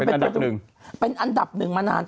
เป็นอันดับหนึ่งเป็นอันดับหนึ่งมานาน